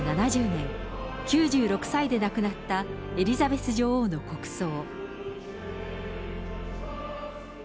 ７０年、９６歳で亡くなったエリザベス女王の国葬。